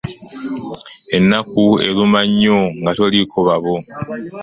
Ennaku eruma nnyo nga toliiko babo.